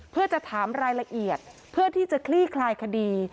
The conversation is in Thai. เพื่อจะถามรายละเอียดเพื่อที่จะคลี่คลายคดี